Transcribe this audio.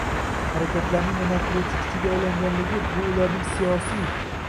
harakatlar”ning yo‘naltiruvchi kuchiga aylanganligi - bu ularning, siyosiy